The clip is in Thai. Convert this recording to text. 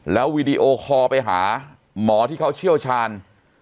แล้ววีดีโอคอลไปหาหมอที่เขาเชี่ยวชาญ